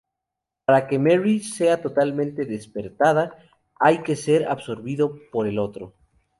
Para que Mary sea totalmente despertada, hay que ser absorbido por el otro.